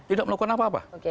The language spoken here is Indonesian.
tidak melakukan apa apa